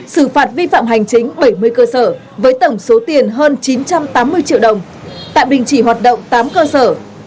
xử phạt vi phạm hành chính bảy mươi cơ sở với tổng số tiền hơn chín trăm tám mươi triệu đồng tạm đình chỉ hoạt động tám cơ sở